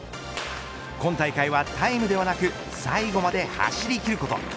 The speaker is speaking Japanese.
今大会はタイムではなく最後まで走りきること。